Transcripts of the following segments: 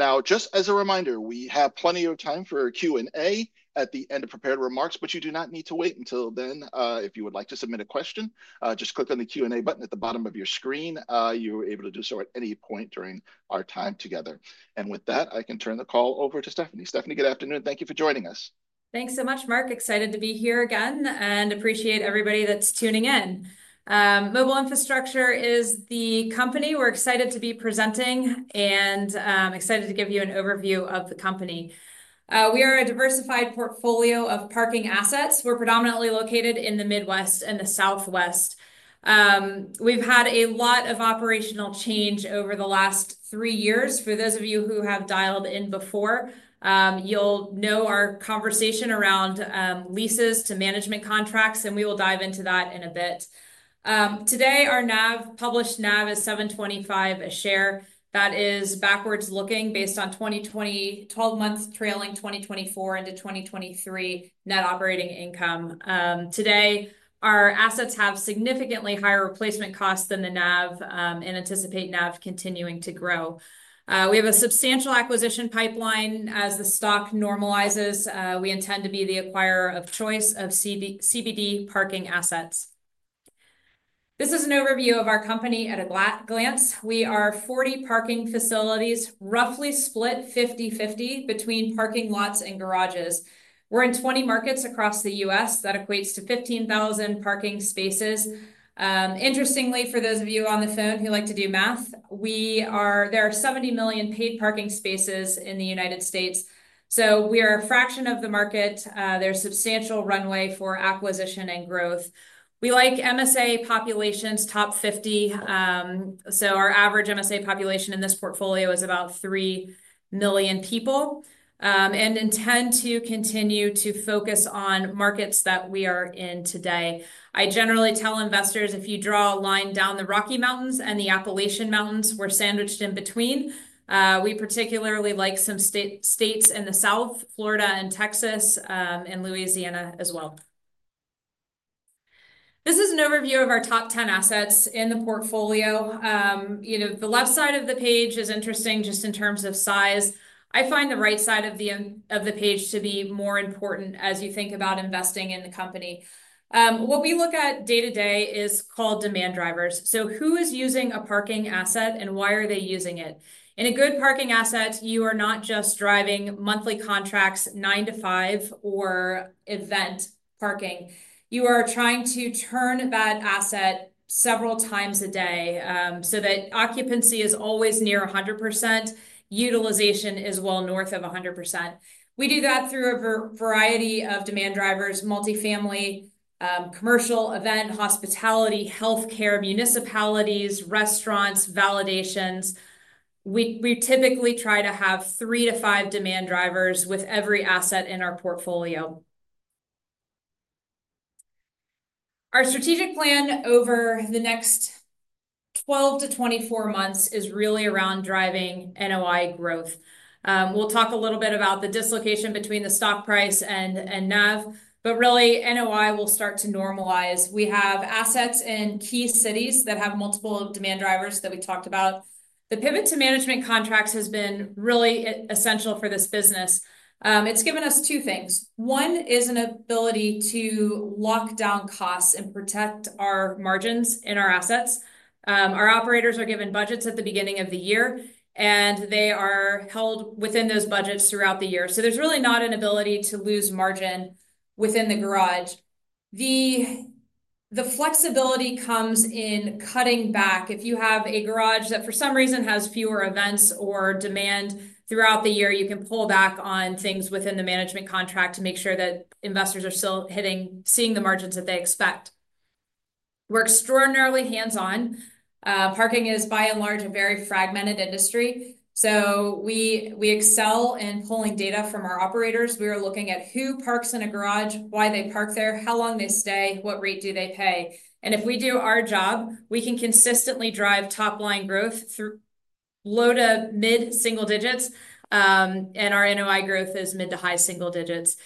Now, just as a reminder, we have plenty of time for a Q&A at the end of prepared remarks, but you do not need to wait until then. If you would like to submit a question, just click on the Q&A button at the bottom of your screen. You're able to do so at any point during our time together. With that, I can turn the call over to Stephanie. Stephanie, good afternoon. Thank you for joining us. Thanks so much, Mark. Excited to be here again and appreciate everybody that's tuning in. Mobile Infrastructure is the company we're excited to be presenting and excited to give you an overview of the company. We are a diversified portfolio of parking assets. We're predominantly located in the Midwest and the Southwest. We've had a lot of operational change over the last three years. For those of you who have dialed in before, you'll know our conversation around leases to management contracts, and we will dive into that in a bit. Today, our NAV, published NAV is $725 a share. That is backwards looking based on 2020, 12 months trailing 2024 into 2023 net operating income. Today, our assets have significantly higher replacement costs than the NAV and anticipate NAV continuing to grow. We have a substantial acquisition pipeline as the stock normalizes. We intend to be the acquirer of choice of CBD parking assets. This is an overview of our company at a glance. We are 40 parking facilities, roughly split 50/50 between parking lots and garages. We're in 20 markets across the U.S. That equates to 15,000 parking spaces. Interestingly, for those of you on the phone who like to do math, there are 70 million paid parking spaces in the United States. We are a fraction of the market. There's substantial runway for acquisition and growth. We like MSA populations, top 50. Our average MSA population in this portfolio is about 3 million people and intend to continue to focus on markets that we are in today. I generally tell investors, if you draw a line down the Rocky Mountains and the Appalachian Mountains, we're sandwiched in between. We particularly like some states in the South, Florida and Texas, and Louisiana as well. This is an overview of our top 10 assets in the portfolio. The left side of the page is interesting just in terms of size. I find the right side of the page to be more important as you think about investing in the company. What we look at day to day is called demand drivers. So who is using a parking asset and why are they using it? In a good parking asset, you are not just driving monthly contracts, nine to five or event parking. You are trying to turn that asset several times a day so that occupancy is always near 100%. Utilization is well north of 100%. We do that through a variety of demand drivers: multifamily, commercial, event, hospitality, healthcare, municipalities, restaurants, validations. We typically try to have three to five demand drivers with every asset in our portfolio. Our strategic plan over the next 12 to 24 months is really around driving NOI growth. We will talk a little bit about the dislocation between the stock price and NAV, but really NOI will start to normalize. We have assets in key cities that have multiple demand drivers that we talked about. The pivot to management contracts has been really essential for this business. It has given us two things. One is an ability to lock down costs and protect our margins in our assets. Our operators are given budgets at the beginning of the year, and they are held within those budgets throughout the year. There is really not an ability to lose margin within the garage. The flexibility comes in cutting back. If you have a garage that for some reason has fewer events or demand throughout the year, you can pull back on things within the management contract to make sure that investors are still hitting, seeing the margins that they expect. We're extraordinarily hands-on. Parking is, by and large, a very fragmented industry. We excel in pulling data from our operators. We are looking at who parks in a garage, why they park there, how long they stay, what rate do they pay. If we do our job, we can consistently drive top-line growth through low to mid single digits. Our NOI growth is mid to high single digits.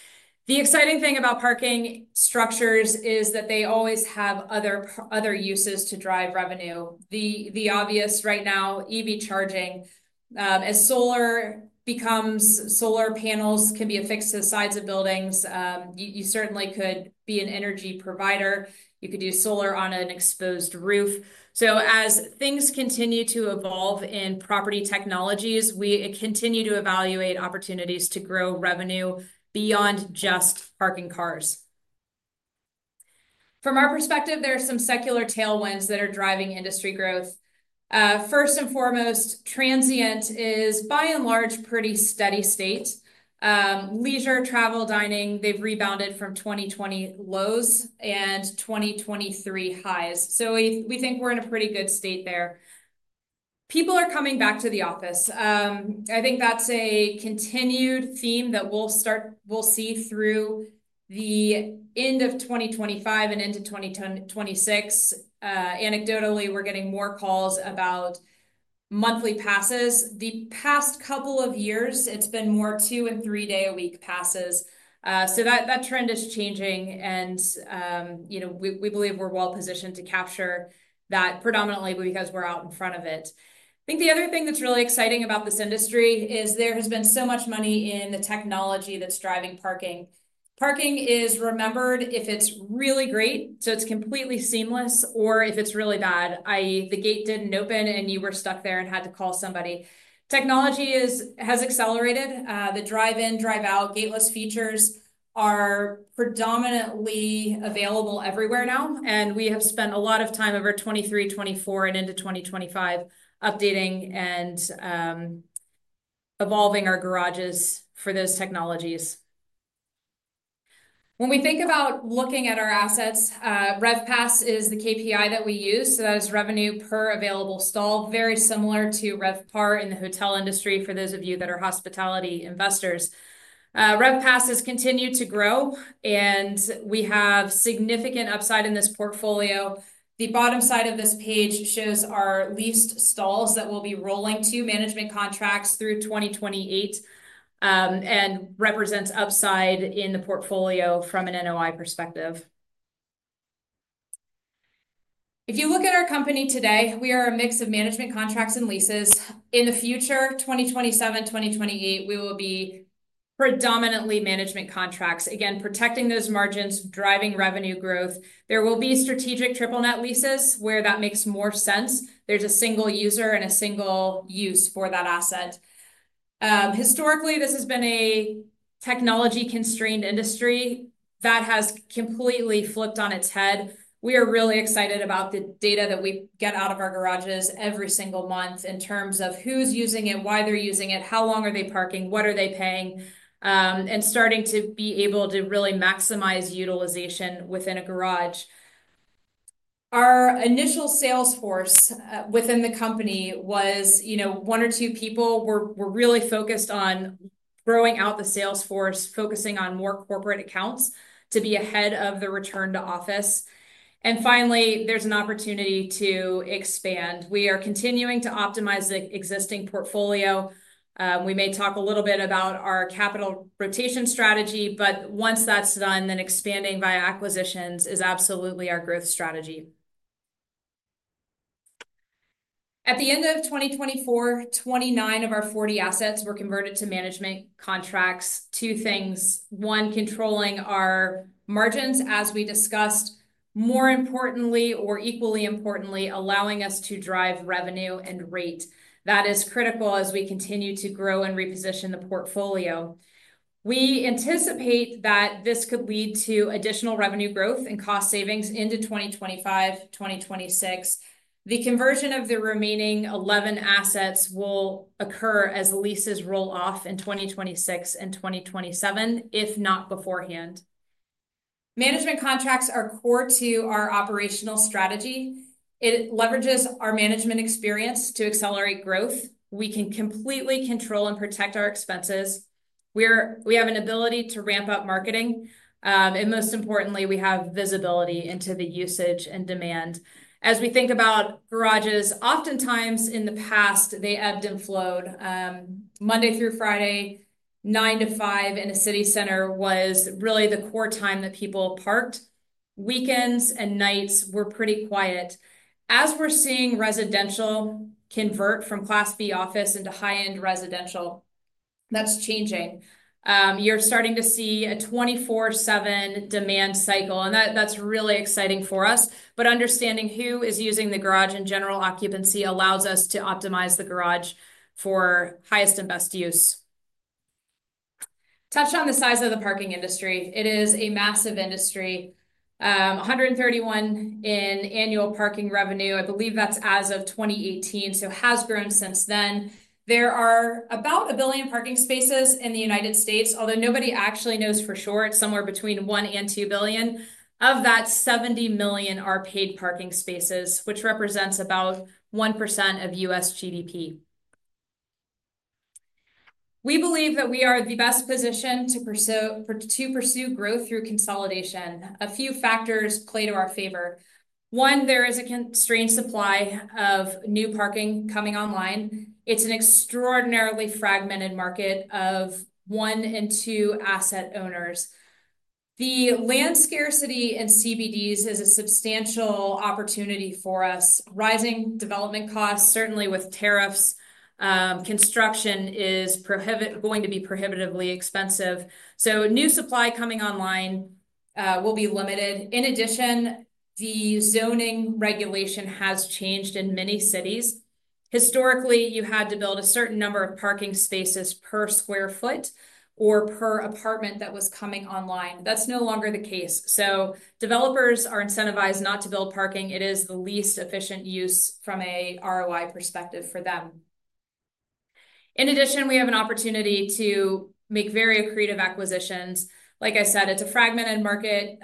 The exciting thing about parking structures is that they always have other uses to drive revenue. The obvious right now, EV charging. As solar becomes solar, panels can be affixed to the sides of buildings. You certainly could be an energy provider. You could use solar on an exposed roof. As things continue to evolve in property technologies, we continue to evaluate opportunities to grow revenue beyond just parking cars. From our perspective, there are some secular tailwinds that are driving industry growth. First and foremost, transient is by and large pretty steady state. Leisure, travel, dining, they've rebounded from 2020 lows and 2023 highs. We think we're in a pretty good state there. People are coming back to the office. I think that's a continued theme that we'll see through the end of 2025 and into 2026. Anecdotally, we're getting more calls about monthly passes. The past couple of years, it's been more two and three-day-a-week passes. That trend is changing. We believe we're well positioned to capture that predominantly because we're out in front of it. I think the other thing that's really exciting about this industry is there has been so much money in the technology that's driving parking. Parking is remembered if it's really great, so it's completely seamless, or if it's really bad, i.e., the gate didn't open and you were stuck there and had to call somebody. Technology has accelerated. The drive-in, drive-out, gateless features are predominantly available everywhere now. We have spent a lot of time over 2023, 2024, and into 2025 updating and evolving our garages for those technologies. When we think about looking at our assets, RevPass is the KPI that we use. That is revenue per available stall, very similar to RevPAR in the hotel industry for those of you that are hospitality investors. RevPass has continued to grow, and we have significant upside in this portfolio. The bottom side of this page shows our leased stalls that we'll be rolling to management contracts through 2028 and represents upside in the portfolio from an NOI perspective. If you look at our company today, we are a mix of management contracts and leases. In the future, 2027, 2028, we will be predominantly management contracts, again, protecting those margins, driving revenue growth. There will be strategic triple-net leases where that makes more sense. There's a single user and a single use for that asset. Historically, this has been a technology-constrained industry that has completely flipped on its head. We are really excited about the data that we get out of our garages every single month in terms of who's using it, why they're using it, how long are they parking, what are they paying, and starting to be able to really maximize utilization within a garage. Our initial sales force within the company was one or two people. We are really focused on growing out the sales force, focusing on more corporate accounts to be ahead of the return to office. Finally, there is an opportunity to expand. We are continuing to optimize the existing portfolio. We may talk a little bit about our capital rotation strategy, but once that is done, expanding via acquisitions is absolutely our growth strategy. At the end of 2024, 29 of our 40 assets were converted to management contracts. Two things. One, controlling our margins as we discussed. More importantly, or equally importantly, allowing us to drive revenue and rate. That is critical as we continue to grow and reposition the portfolio. We anticipate that this could lead to additional revenue growth and cost savings into 2025, 2026. The conversion of the remaining 11 assets will occur as leases roll off in 2026 and 2027, if not beforehand. Management contracts are core to our operational strategy. It leverages our management experience to accelerate growth. We can completely control and protect our expenses. We have an ability to ramp up marketing. Most importantly, we have visibility into the usage and demand. As we think about garages, oftentimes in the past, they ebbed and flowed. Monday through Friday, 9:00 A.M. to 5:00 P.M. in a city center was really the core time that people parked. Weekends and nights were pretty quiet. As we are seeing residential convert from Class B office into high-end residential, that is changing. You are starting to see a 24/7 demand cycle, and that is really exciting for us. Understanding who is using the garage and general occupancy allows us to optimize the garage for highest and best use. Touch on the size of the parking industry. It is a massive industry. $131 billion in annual parking revenue. I believe that's as of 2018, so it has grown since then. There are about a billion parking spaces in the U.S., although nobody actually knows for sure. It's somewhere between one and two billion. Of that, 70 million are paid parking spaces, which represents about 1% of U.S. GDP. We believe that we are in the best position to pursue growth through consolidation. A few factors play to our favor. One, there is a constrained supply of new parking coming online. It's an extraordinarily fragmented market of one and two asset owners. The land scarcity in CBDs is a substantial opportunity for us. Rising development costs, certainly with tariffs, construction is going to be prohibitively expensive. New supply coming online will be limited. In addition, the zoning regulation has changed in many cities. Historically, you had to build a certain number of parking spaces per square foot or per apartment that was coming online. That's no longer the case. Developers are incentivized not to build parking. It is the least efficient use from an ROI perspective for them. In addition, we have an opportunity to make very creative acquisitions. Like I said, it's a fragmented market.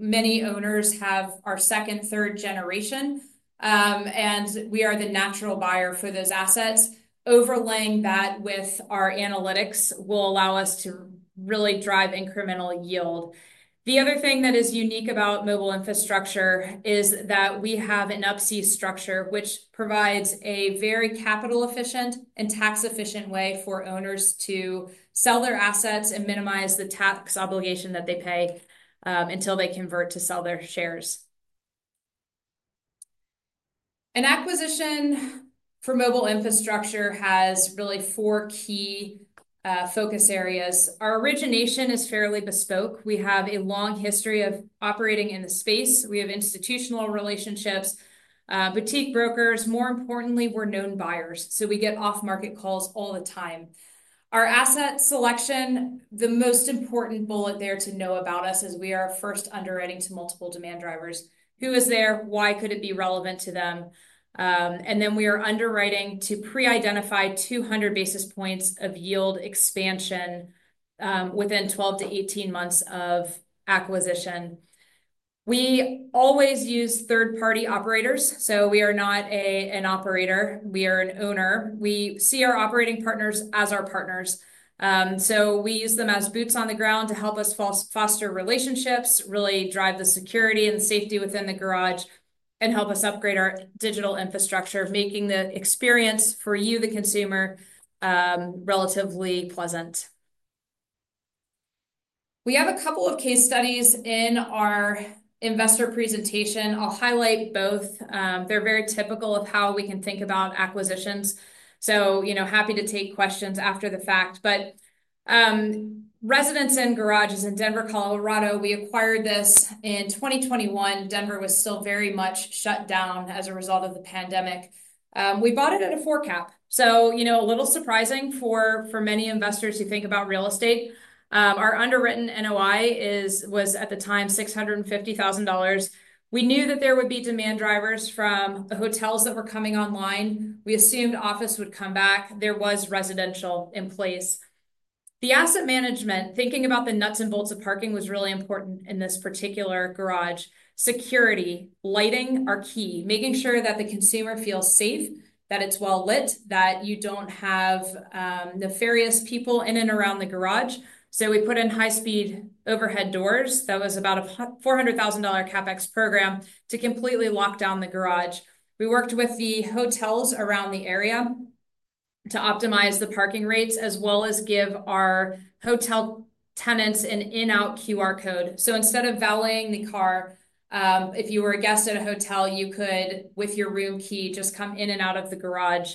Many owners have our second, third generation, and we are the natural buyer for those assets. Overlaying that with our analytics will allow us to really drive incremental yield. The other thing that is unique about Mobile Infrastructure is that we have an Up-C structure, which provides a very capital-efficient and tax-efficient way for owners to sell their assets and minimize the tax obligation that they pay until they convert to sell their shares. An acquisition for Mobile Infrastructure has really four key focus areas. Our origination is fairly bespoke. We have a long history of operating in the space. We have institutional relationships, boutique brokers. More importantly, we're known buyers. We get off-market calls all the time. Our asset selection, the most important bullet there to know about us, is we are first underwriting to multiple demand drivers. Who is there? Why could it be relevant to them? We are underwriting to pre-identify 200 basis points of yield expansion within 12-18 months of acquisition. We always use third-party operators. We are not an operator. We are an owner. We see our operating partners as our partners. We use them as boots on the ground to help us foster relationships, really drive the security and safety within the garage, and help us upgrade our digital infrastructure, making the experience for you, the consumer, relatively pleasant. We have a couple of case studies in our investor presentation. I'll highlight both. They're very typical of how we can think about acquisitions. Happy to take questions after the fact. Residents and garages in Denver, Colorado, we acquired this in 2021. Denver was still very much shut down as a result of the pandemic. We bought it at a four cap. A little surprising for many investors who think about real estate. Our underwritten NOI was at the time $650,000. We knew that there would be demand drivers from hotels that were coming online. We assumed office would come back. There was residential in place. The asset management, thinking about the nuts and bolts of parking, was really important in this particular garage. Security, lighting are key. Making sure that the consumer feels safe, that it's well lit, that you don't have nefarious people in and around the garage. We put in high-speed overhead doors. That was about a $400,000 CapEx program to completely lock down the garage. We worked with the hotels around the area to optimize the parking rates as well as give our hotel tenants an in-out QR code. Instead of valeting the car, if you were a guest at a hotel, you could, with your room key, just come in and out of the garage,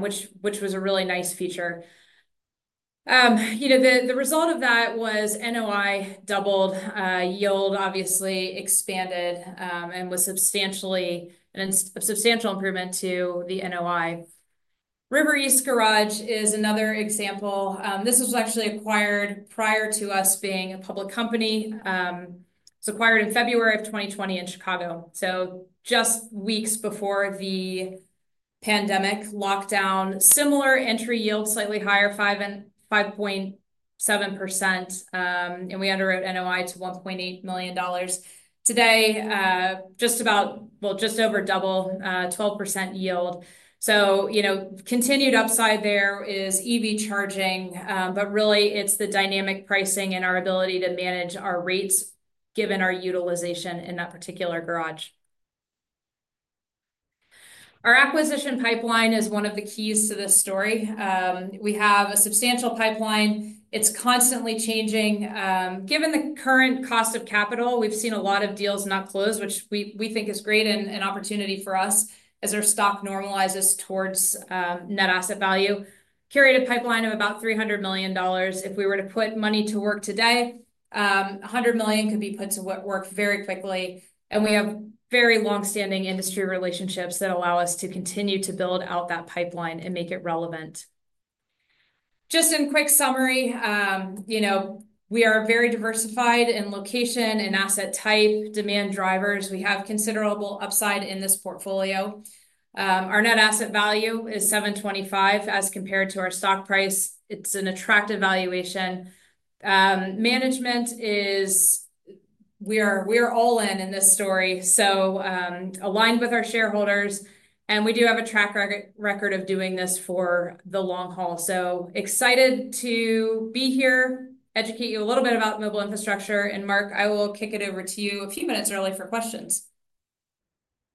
which was a really nice feature. The result of that was NOI doubled, yield obviously expanded, and was a substantial improvement to the NOI. River East Garage is another example. This was actually acquired prior to us being a public company. It was acquired in February of 2020 in Chicago. Just weeks before the pandemic lockdown, similar entry yield, slightly higher, 5.7%. We underwrote NOI to $1.8 million. Today, just about, just over double, 12% yield. Continued upside there is EV charging, but really it is the dynamic pricing and our ability to manage our rates given our utilization in that particular garage. Our acquisition pipeline is one of the keys to this story. We have a substantial pipeline. It is constantly changing. Given the current cost of capital, we have seen a lot of deals not closed, which we think is great and an opportunity for us as our stock normalizes towards net asset value. Curated pipeline of about $300 million. If we were to put money to work today, $100 million could be put to work very quickly. We have very long-standing industry relationships that allow us to continue to build out that pipeline and make it relevant. Just in quick summary, we are very diversified in location and asset type, demand drivers. We have considerable upside in this portfolio. Our net asset value is $725 as compared to our stock price. It is an attractive valuation. Management is we are all in in this story. So aligned with our shareholders. We do have a track record of doing this for the long haul. Excited to be here, educate you a little bit about Mobile Infrastructure. Mark, I will kick it over to you a few minutes early for questions.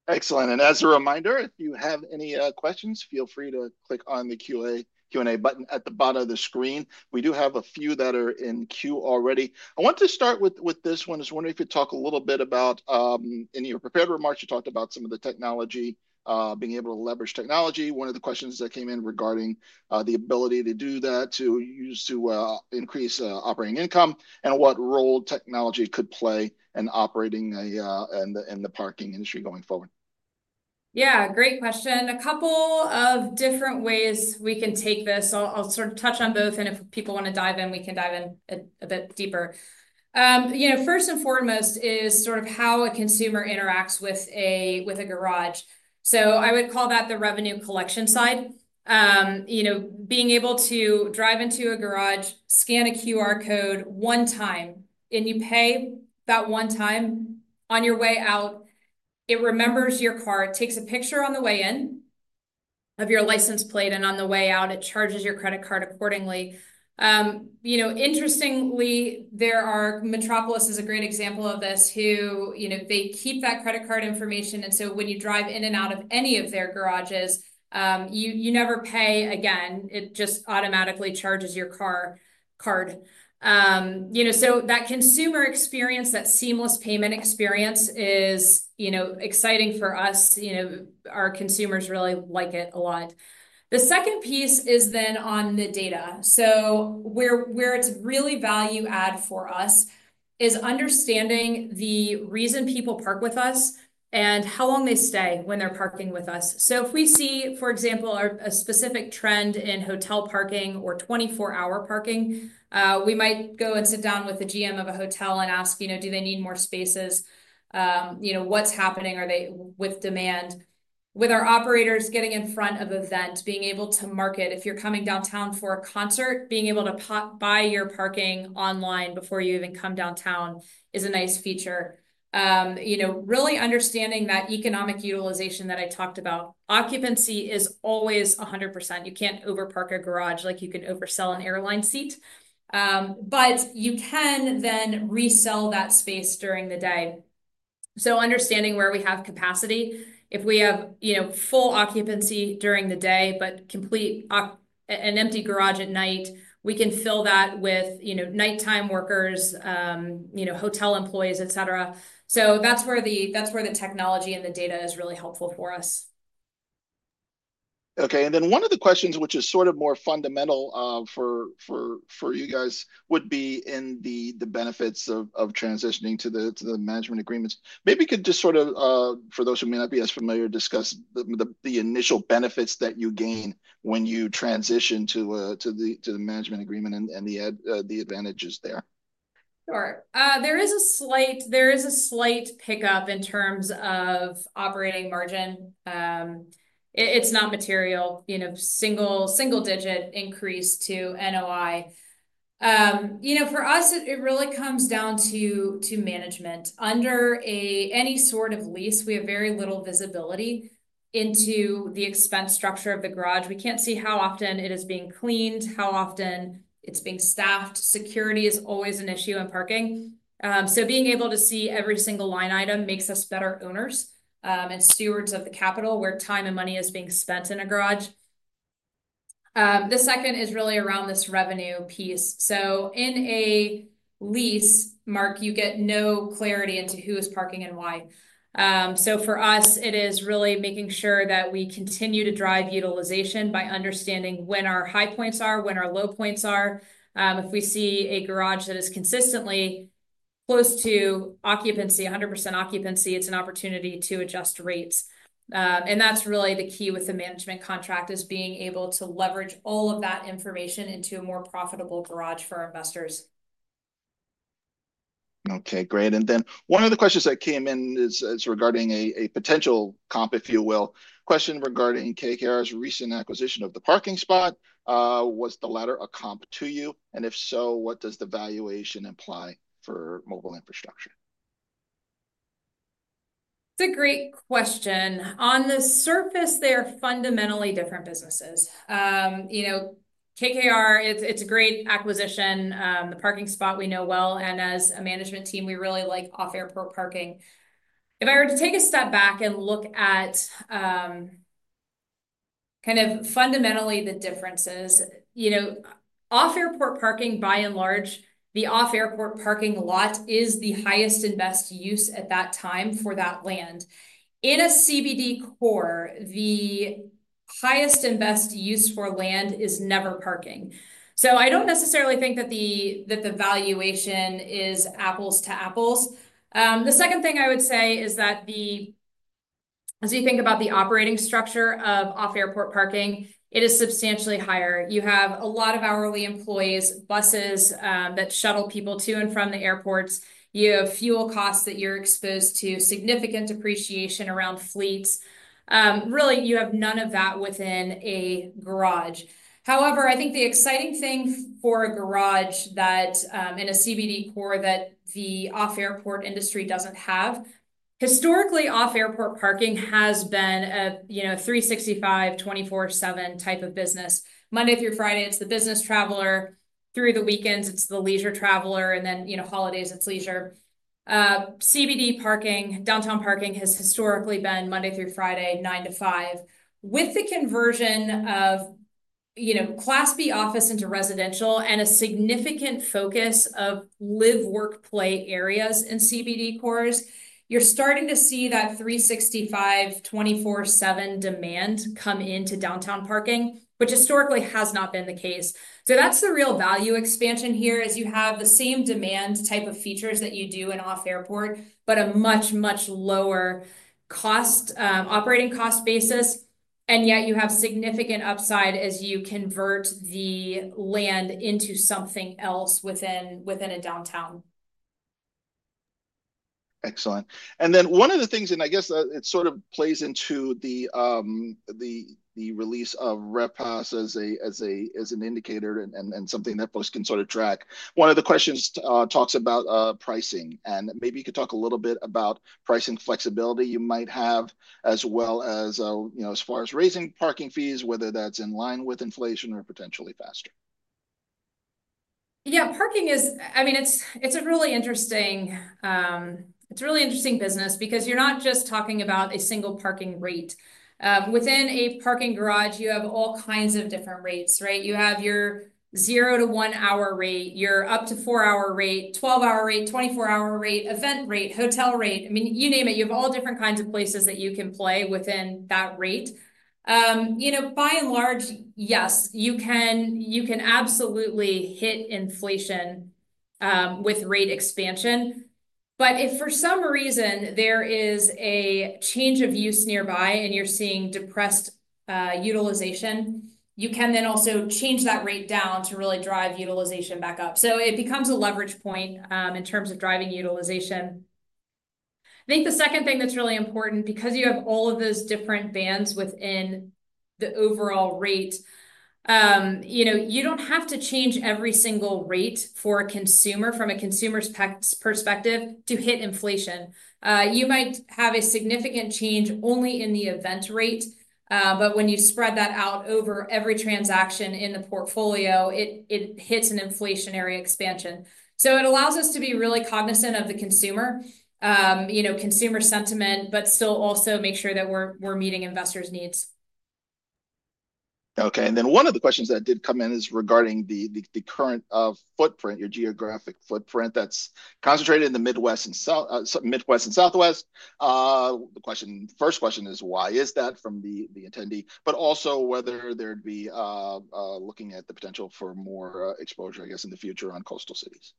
Excellent. As a reminder, if you have any questions, feel free to click on the Q&A button at the bottom of the screen. We do have a few that are in queue already. I want to start with this one. I was wondering if you'd talk a little bit about in your prepared remarks, you talked about some of the technology, being able to leverage technology. One of the questions that came in regarding the ability to do that, to use to increase operating income and what role technology could play in operating in the parking industry going forward. Yeah, great question. A couple of different ways we can take this. I'll sort of touch on both. If people want to dive in, we can dive in a bit deeper. First and foremost is sort of how a consumer interacts with a garage. I would call that the revenue collection side. Being able to drive into a garage, scan a QR code one time, and you pay that one time on your way out. It remembers your car. It takes a picture on the way in of your license plate. On the way out, it charges your credit card accordingly. Interestingly, Metropolis is a great example of this, who keep that credit card information. When you drive in and out of any of their garages, you never pay again. It just automatically charges your card. That consumer experience, that seamless payment experience is exciting for us. Our consumers really like it a lot. The second piece is then on the data. Where it's really value-add for us is understanding the reason people park with us and how long they stay when they're parking with us. If we see, for example, a specific trend in hotel parking or 24-hour parking, we might go and sit down with the GM of a hotel and ask, "Do they need more spaces? What's happening with demand?" With our operators getting in front of events, being able to market, if you're coming downtown for a concert, being able to buy your parking online before you even come downtown is a nice feature. Really understanding that economic utilization that I talked about. Occupancy is always 100%. You can't overpark a garage like you can oversell an airline seat. You can then resell that space during the day. Understanding where we have capacity. If we have full occupancy during the day, but complete an empty garage at night, we can fill that with nighttime workers, hotel employees, etc. That is where the technology and the data is really helpful for us. Okay. One of the questions, which is sort of more fundamental for you guys, would be in the benefits of transitioning to the management agreements. Maybe you could just, for those who may not be as familiar, discuss the initial benefits that you gain when you transition to the management agreement and the advantages there. Sure. There is a slight pickup in terms of operating margin. It is not material. Single-digit increase to NOI. For us, it really comes down to management. Under any sort of lease, we have very little visibility into the expense structure of the garage. We can't see how often it is being cleaned, how often it's being staffed. Security is always an issue in parking. Being able to see every single line item makes us better owners and stewards of the capital where time and money is being spent in a garage. The second is really around this revenue piece. In a lease, Mark, you get no clarity into who is parking and why. For us, it is really making sure that we continue to drive utilization by understanding when our high points are, when our low points are. If we see a garage that is consistently close to occupancy, 100% occupancy, it's an opportunity to adjust rates. That is really the key with the management contract, being able to leverage all of that information into a more profitable garage for investors. Okay, great. One of the questions that came in is regarding a potential comp, if you will, question regarding KKR's recent acquisition of The Parking Spot. Was the latter a comp to you? And if so, what does the valuation imply for Mobile Infrastructure? It's a great question. On the surface, they are fundamentally different businesses. KKR, it's a great acquisition. The parking spot we know well. As a management team, we really like off-airport parking. If I were to take a step back and look at kind of fundamentally the differences, off-airport parking, by and large, the off-airport parking lot is the highest and best use at that time for that land. In a CBD core, the highest and best use for land is never parking. I don't necessarily think that the valuation is apples to apples. The second thing I would say is that as you think about the operating structure of off-airport parking, it is substantially higher. You have a lot of hourly employees, buses that shuttle people to and from the airports. You have fuel costs that you're exposed to, significant depreciation around fleets. Really, you have none of that within a garage. However, I think the exciting thing for a garage in a CBD core that the off-airport industry does not have, historically, off-airport parking has been a 365, 24/7 type of business. Monday through Friday, it is the business traveler. Through the weekends, it is the leisure traveler. Holidays, it is leisure. CBD parking, downtown parking has historically been Monday through Friday, 9:00 A.M. to 5:00 P.M. With the conversion of Class B office into residential and a significant focus of live, work, play areas in CBD cores, you're starting to see that 365, 24/7 demand come into downtown parking, which historically has not been the case. That is the real value expansion here as you have the same demand type of features that you do in off-airport, but a much, much lower operating cost basis. Yet you have significant upside as you convert the land into something else within a downtown. Excellent. One of the things, and I guess it sort of plays into the release of RevPass as an indicator and something that folks can sort of track. One of the questions talks about pricing. Maybe you could talk a little bit about pricing flexibility you might have as well as far as raising parking fees, whether that's in line with inflation or potentially faster. Yeah, parking is, I mean, it's a really interesting business because you're not just talking about a single parking rate. Within a parking garage, you have all kinds of different rates, right? You have your zero to one-hour rate, your up to four-hour rate, 12-hour rate, 24-hour rate, event rate, hotel rate. I mean, you name it. You have all different kinds of places that you can play within that rate. By and large, yes, you can absolutely hit inflation with rate expansion. If for some reason there is a change of use nearby and you're seeing depressed utilization, you can then also change that rate down to really drive utilization back up. It becomes a leverage point in terms of driving utilization. I think the second thing that's really important because you have all of those different bands within the overall rate, you don't have to change every single rate for a consumer from a consumer's perspective to hit inflation. You might have a significant change only in the event rate. When you spread that out over every transaction in the portfolio, it hits an inflationary expansion. It allows us to be really cognizant of the consumer sentiment, but still also make sure that we're meeting investors' needs. Okay. One of the questions that did come in is regarding the current footprint, your geographic footprint that's concentrated in the Midwest and Southwest. The first question is, why is that from the attendee? Also, whether they'd be looking at the potential for more exposure, I guess, in the future on coastal cities.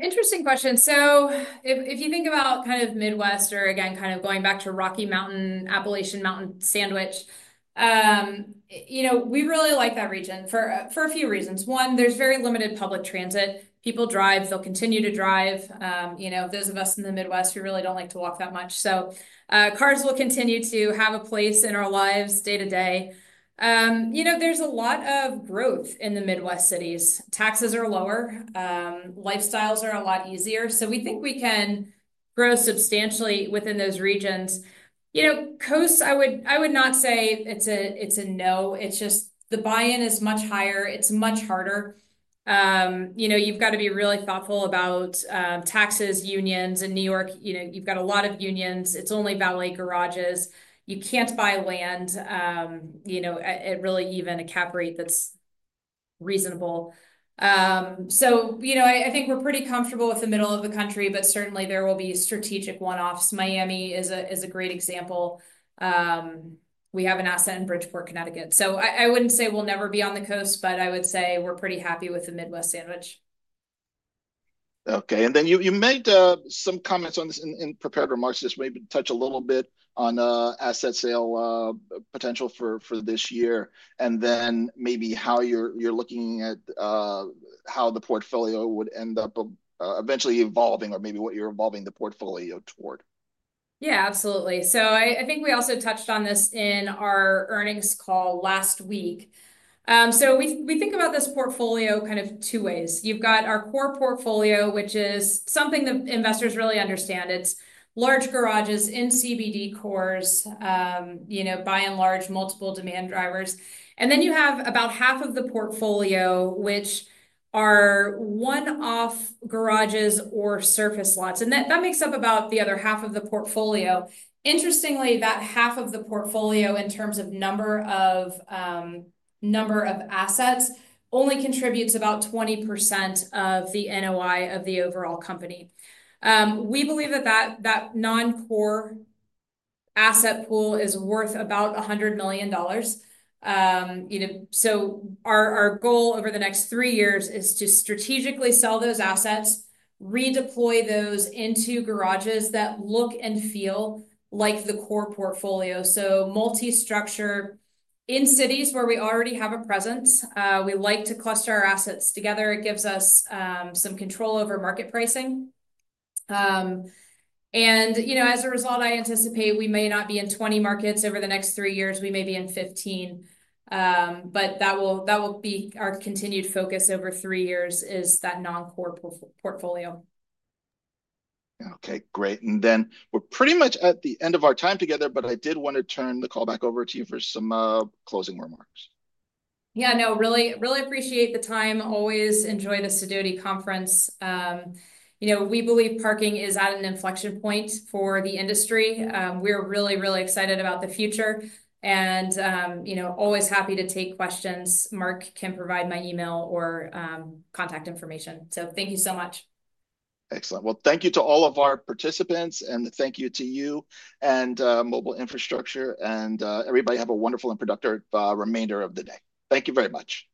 Interesting question. If you think about kind of Midwest or, again, kind of going back to Rocky Mountain, Appalachian Mountain sandwich, we really like that region for a few reasons. One, there's very limited public transit. People drive. They'll continue to drive. Those of us in the Midwest, we really don't like to walk that much. Cars will continue to have a place in our lives day to day. There's a lot of growth in the Midwest cities. Taxes are lower. Lifestyles are a lot easier. We think we can grow substantially within those regions. Coasts, I would not say it's a no. It's just the buy-in is much higher. It's much harder. You've got to be really thoughtful about taxes, unions. In New York, you've got a lot of unions. It's only valet garages. You can't buy land at really even a cap rate that's reasonable. I think we're pretty comfortable with the middle of the country, but certainly there will be strategic one-offs. Miami is a great example. We have an asset in Bridgeport, Connecticut. I wouldn't say we'll never be on the coast, but I would say we're pretty happy with the Midwest sandwich. Okay. You made some comments on this in prepared remarks. Just maybe touch a little bit on asset sale potential for this year. Maybe how you're looking at how the portfolio would end up eventually evolving or maybe what you're evolving the portfolio toward. Yeah, absolutely. I think we also touched on this in our earnings call last week. We think about this portfolio kind of two ways. You've got our core portfolio, which is something that investors really understand. It's large garages in CBD cores, by and large, multiple demand drivers. Then you have about half of the portfolio, which are one-off garages or surface lots. That makes up about the other half of the portfolio. Interestingly, that half of the portfolio in terms of number of assets only contributes about 20% of the NOI of the overall company. We believe that that non-core asset pool is worth about $100 million. Our goal over the next three years is to strategically sell those assets, redeploy those into garages that look and feel like the core portfolio. Multi-structure in cities where we already have a presence. We like to cluster our assets together. It gives us some control over market pricing. As a result, I anticipate we may not be in 20 markets over the next three years. We may be in 15. That will be our continued focus over three years, that non-core portfolio. Okay, great. We are pretty much at the end of our time together, but I did want to turn the call back over to you for some closing remarks. Yeah, no, really appreciate the time. Always enjoy the Sidoti Conference. We believe parking is at an inflection point for the industry. We are really, really excited about the future and always happy to take questions. Mark can provide my email or contact information. Thank you so much. Excellent. Thank you to all of our participants, and thank you to you and Mobile Infrastructure. Everybody have a wonderful and productive remainder of the day. Thank you very much.